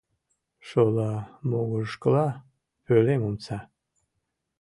Шола могырышкыла пӧлем омса.